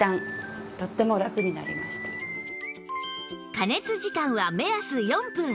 加熱時間は目安４分